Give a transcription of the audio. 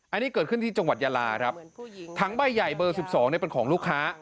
อันนี้เกิดขึ้นที่จังหวัดยาลาครับถังใบใหญ่เบอร์๑๒เป็นของลูกค้า